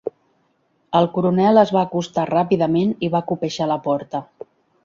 El coronel es va acostar ràpidament i va copejar la porta.